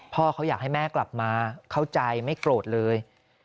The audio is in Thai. พ่อเขาอยากให้แม่กลับมาเข้าใจไม่โกรธเลย